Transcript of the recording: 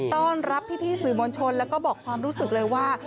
ต้อนรับพี่สื่อมวลชนแล้วก็บอกความรู้สึกเลยว่า